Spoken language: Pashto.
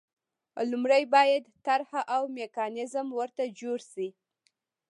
لومړی باید طرح او میکانیزم ورته جوړ شي.